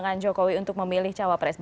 dukungan jokowi untuk memilih cawapres